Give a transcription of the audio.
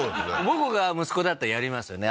僕が息子だったらやりますよね